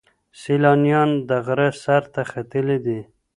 سیلانیان د غره سر ته ختلي دي.